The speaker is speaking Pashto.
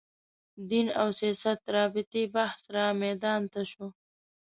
دین او سیاست رابطې بحث رامیدان ته شو